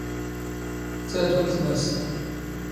ⵜⴰⴷ ⵓⵍⵜⵎⴰ.